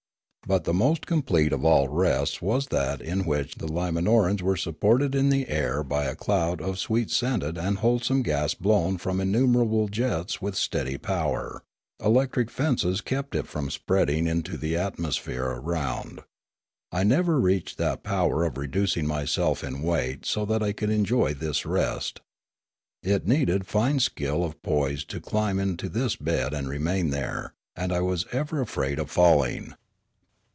But the most complete of all rests was that in which the Limanorans were supported in the air by a cloud of sweet scented and wholesome gas blown from innumerable jets with steady power; electric fences kept it from spreading into the atmosphere around. I never reached that power of reducing myself in weight so that I could enjoy this rest. It needed fine skill of poise to climb to this bed and remain there, and I was ever afraid of falling.